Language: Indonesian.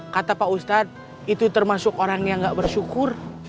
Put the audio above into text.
kata pak ustadz itu termasuk orang yang gak bersyukur